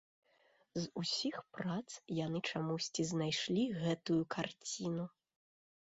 З усіх прац яны чамусьці знайшлі гэтую карціну.